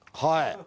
はい。